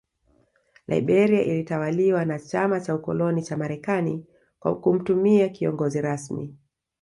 Liberia ilitawaliwa na Chama cha Ukoloni cha Marekani kwa kumtumia kiongozi rasmi